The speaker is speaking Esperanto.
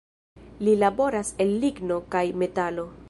Li laboras el ligno kaj metalo.